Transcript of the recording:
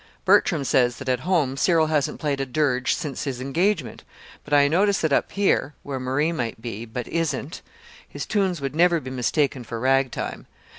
Bertram says that at home Cyril hasn't played a dirge since his engagement; but I notice that up here where Marie might be, but isn't his tunes would never be mistaken for ragtime.